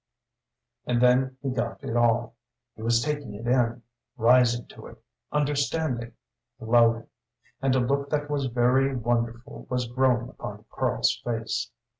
And then he got it all; he was taking it in, rising to it, understanding, glowing. And a look that was very wonderful was growing upon Karl's face.